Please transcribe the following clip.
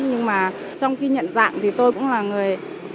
nhưng mà trong khi nhận dạng thì tôi cũng là người